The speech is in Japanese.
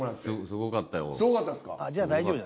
すごかったよ。